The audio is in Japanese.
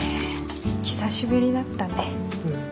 久しぶりだったね。